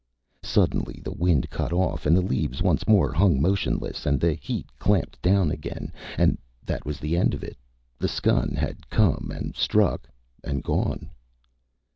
Suddenly the wind cut off and the leaves once more hung motionless and the heat clamped down again and that was the end of it. The skun had come and struck and gone.